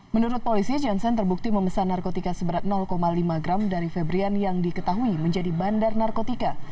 menurut polisi johnson terbukti memesan narkotika seberat lima gram dari febrian yang diketahui menjadi bandar narkotika